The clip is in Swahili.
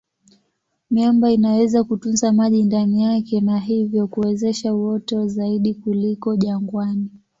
Miamba inaweza kutunza maji ndani yake na hivyo kuwezesha uoto zaidi kuliko jangwani.